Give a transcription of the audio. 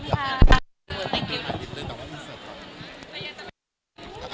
ขอบคุณค่ะ